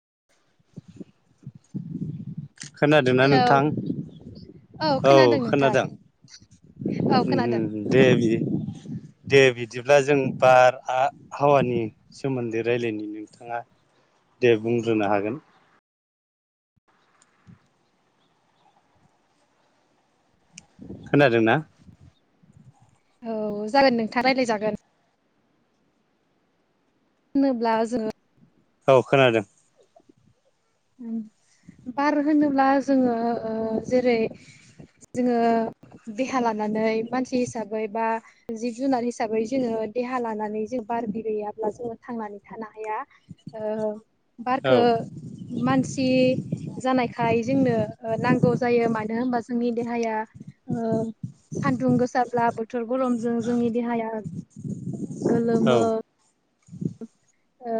[inaudible] खोनादोंना हेलौ नोंथां? औ खोनादों औ उम खोनादों दे बि [inaudible] दे बिदिब्ला जों बार आहावानि सोमोन्दै रायज्लायनो नोंथाङा दे बुंग्रोनो हागोन। खोनादोंना? औ जागोन नोंथा रायलायजागोन। होनोब्ला जोङो औ खोनादों उम बार होनोब्ला जोङो ओ जेरै जोङो देहा लानानै मानसि हिसाबै बा जिब जुनार हिसाबै जोङो देहा लानानै जों बार बिगैयाब्ला जोङो थांनानै थानो हाया ओ औ बारखो मानसि जानायखाय जोंनो नांगौ जायो मा मानो होनोमबा जोंनि देहाया ओ सान्दुं गोसाब्ला बोथोर गरमजों जोंनि देहाया औ गोलोमो ओ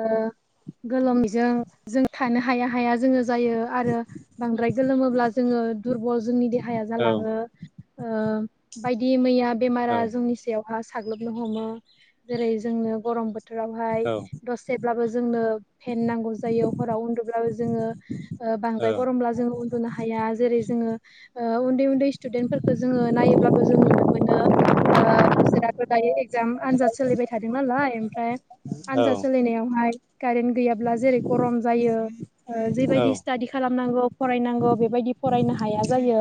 गोलोमनायजों थानो हाया हाया जोङो जायो आरो बांद्राय गोलोमोब्ला जोङो दुरबल जोंनि देहाया औ जालाङो। ओ बायदि मैया औ बेमारा जोंनि सायाव साग्लोबनो हमो जेरै जोंनो गरम बोथोर हाय दसेब्लाबो जोंनो फेन नांगौ जायो हराव उन्दुब्लाबो जोङो बांद्राय गरमब्ला जों उनदुनो हाया जेरै जोंयो ओ उन्दै उन्दै सिटदेन फोरखौ जोंयो नायोब जों नुनो मोनो ओ बिसोराथ' दायो एक्जाम आनजाद सोलिबाय थादों नालाय ओमफ्राय आनजाद सोललिनायावहाय कारेन्ट गैयाब्ला जेरै गरम जायो ओ औ जेबायदि स्टाडि खालामनांगौ फरायनांगौ बेबायदि फरायनो हाया जायो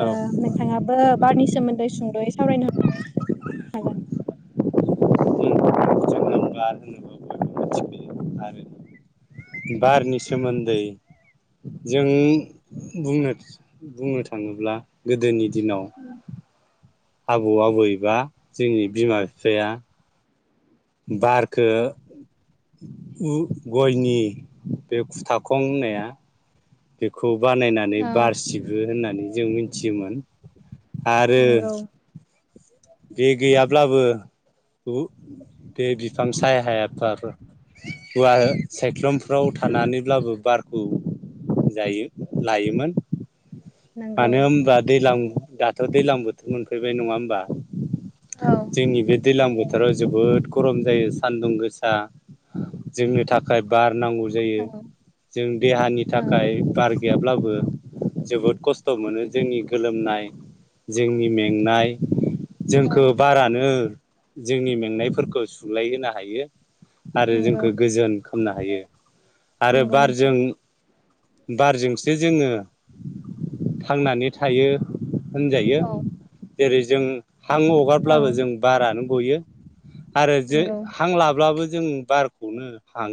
औ नोंथाङाबो बारनि सोमोन्दै सुंद'यै सावरायनो [unintelligible] हागोन बार जोङो होनोब्ला बयबो मिथिखायोआरो बारनि सोमोन्दै जों बुंनो बुंनो थाङोब्ला गोदोनि दिनाव आबौ आबैबा जोंनि बिमा बिफाया बारखो उ गयनि बे खुथाखं होननाया बेखौ बानायनानै औ बारसिबो होननानै जों मिथियोमोन। आरो नंगौ बे गैयाब्लाबो बे बिफां साय हायाफ्राबो औवा सायख्लुमफ्राव थानानैब्लाबो बारखौ जायो लायोमोन। नंगौ मानो होनोमबा दैज्लां दाथ' दैज्लां बोथोर मोनफैबाय नङा होमबा? औ जोंनि बे दैज्लां बो थोराव जोबोद गरम जायो सानदुं गोसा जोंनो थाखाय बार नांगौ जायो औ जों देहानि औ थाखाय बार गैयाब्लाबो जोबोद खस्थ खस्थ' मोनो जोंनि गोलोमनाय जोंनि मेंनाय औ जोंखौ बारानो जोंनि मेंनायफोरखौ सुलाय होनो हायो। आरो नंगौ जोंखौ गोजोन खालामनो हायो आरो नंगौ नोंथां बारजों बारजोंसो जोङो [inaudible] थांनानै थायो होनजायो औ जेरै जों हां औ हगारब्लाबो जों बारानो गयो। आरो जो नंगौ हां लाब्लाबो जों बार खौनो हां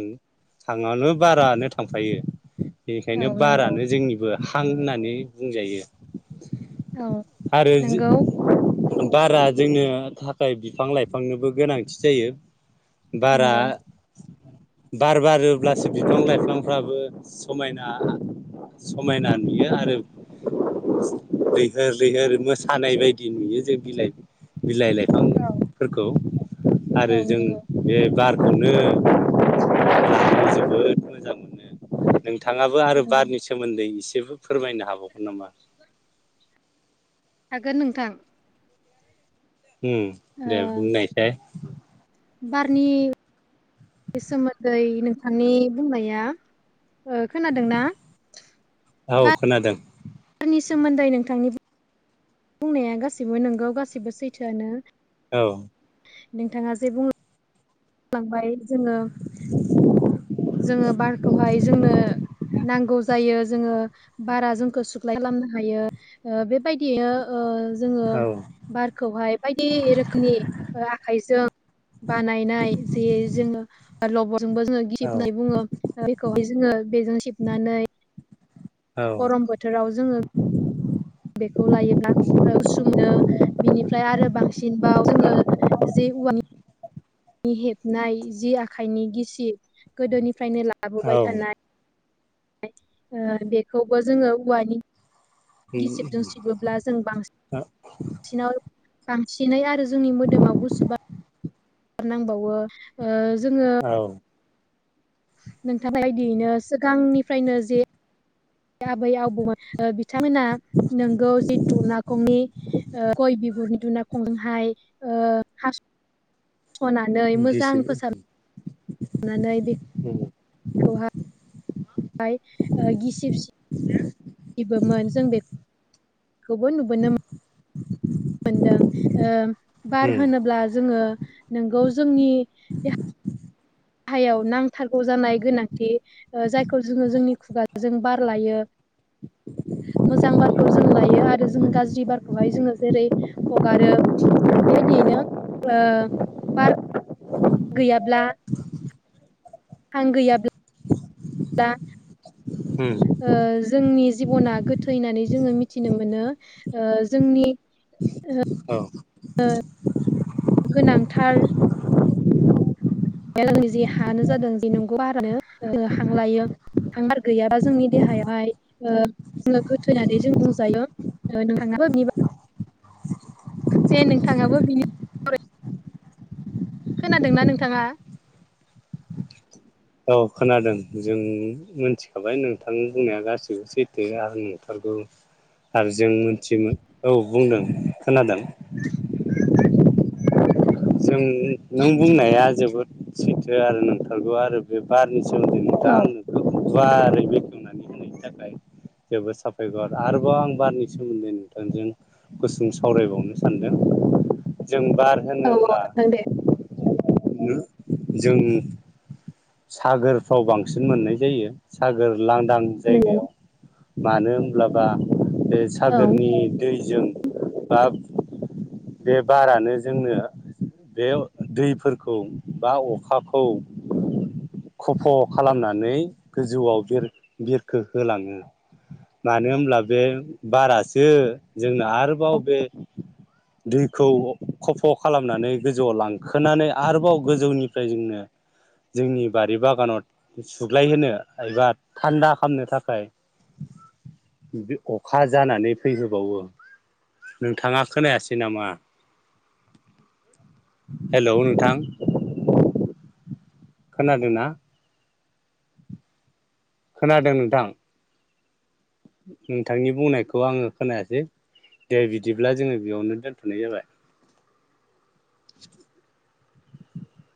हां वायनो बारानो थांफायो औ बेनिखायनो नंगौ बारानो जोंनिबो हां होननानै बुंजायो औ आरो जे नंगौ बारा जोंनो थाखाय बिफां लाइफांनोबो गोनांथि जायो बारा नंगौ बार बारोब्लासो बिफां लाइफांफ्राबो समायना समायना नुयो आरो लैहोर लैहोर मोसानाय बायदि नुयो जों बिलाइ बिलाइ लाय औ बिफांफोरखौ औ आरो जों नंगौ बे बारखौनो जोबोद मोजां मोनो। नोंथाङाबो आरो नंगौ बारनि सोमोन्दै एसेबो फोरमायनो हाबावगोन नामा? हागोन नोंथां। उम ओ दे बुंनायसाय। बारनि सोमोन्दै नोंथांनि बुंनाया ओ खोनादोंना? औ खोनादों। नि सोमोन्दै नोंथांनि बुंनाया गासैबो नोंगौ गासिबो सैथोयानो। औ। नोंथाङा जे बुं लांबाय जोङो जोङो बारखौ हाय जोंनो नांगौ जायो जोङो बारा जोंखौ सुग्लाय खालामनो हायो ओ बेबायदिनो ओ जोङो औ बारखौ हाय बायदि रोखोमनि ओ आखाइजों बानायनाय जे जोङो लबर जोंबो जोङो औ [unintelligible] बुङो बेखौहाय जोङो बेजों सिबनानै औ गरम बोथोराव जोङो बेखौ लायोब्ला गुसु मोनो बिनिफ्राय आरो बांसिनबाव जोङो जे उवानि नि हेबनाय जि आखाइनि गिसि गोदोनिफ्रायनो औ लाबोबाय थानाय ओ बेखौबो जोङो औवानि गिसिबजों सिबोब्ला जों बांसिन सिनाव बांसिनै आरो जोंनि मोदोमाव गुसु नांबावो ओ जोङो औ। नोंथां बायदियैनो सिगांनिफ्रायनो जे आबै आब बौ ओ बिथांमोना नोंगौ जि दुनाखंनि ओ गय बिगुरनि दुना हाय ओ हासनानै मोजां गिसिब फोसाब नानै उम बेखौहाय ओ गिसिब खोबो नुबो मो मोनदों ओ बार होनोब्ला जोङो नोंगौ जोंनि- गाहायाव नांथारगौ जानाय गोनांथि जायखौ जोङो जोंनि खुगा जों बार लायो मोजां बारखौ जों लायो आरो जों गाज्रि बारखौहाय जोङो जेरै हगारो। बेआदियैनो ओ- [inaudible] गैयाब्ला। हां गैयाब्ला दा उम ओ जोंनि जिबना गोथै होननानै जोङो मिथिनो मोनो ओ जोंनि औ गोनांथार बेलनि जि हानो जादों जि नंगौ बारानो ओ हां लायो। थांगार गैयाबा जोंनि देहायावहाय ओ जोङो गोथै होननानै जों बुंजायो नोंथां। [unintelligible] दे नोंथाङाबो [inaudible] खोनादोंना नोंथाङा? औ खोनादों जों मिथिखाबाय नोंथां बुंनाया गासिबो सैथो आं नंथारगौ। औ आरो जों मिथियोमोन औ बुंदों खोनादों। [inaudible] जों नों बुंनाया जोबोद सैथो आरो नोंथारगौ आरो बे बारनि सोमोन्दै दा औ आंनोखौ गुवारै बेखेवनानै होनायनि थाखाय जोबोद साबायखर आरोबाव आं बारनि सोमोन्दै नोंथांजों गुसुं सावरायबावनो सानदों जों बार औ औ होनोब्ला नोंथां दे जों सागोरफ्राव बांसिन मोननाय जायो सागोर लांदां नंगौ जायगायाव मानो होनब्लाबा बे औ सागोरनि दैजों बा बे बारानो जोंनो बे दैफोरखौ बा अखाखौ खफ' खालामनानै गोजौआव बिर बिरखो होलाङो। मानो होनोमब्ला बे बारासो जोंनो आरोबाव बे दैखौ खफ' खालामनानै गोजौआव लांखोनानै आरोबाव गोजौनिफ्राय जोंनो [unintelligible] जोंनि बारि बागानाव सुग्लायहोनो एबा थान्दा खालामामनो थाखाय ज [unintelligible] अखा जानानै फैहोबावो नोंथाङा खोनायासै नामा? हेल' नोंथां खोनादोंना? खोनादों नोंथां नोंथांनि बुंनायखौ आङो खोनायासै दे बिदिब्ला जोङो बेयावनो दोनथ'नाय जाबाय। [unintelligible]